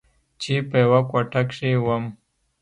چې په يوه کوټه کښې وم.